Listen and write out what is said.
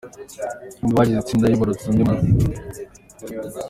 Umwe mu bagize itsinda yibarutse undi mwana